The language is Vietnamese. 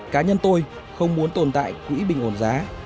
cá nhân tôi không muốn tồn tại quỹ bình ổn giá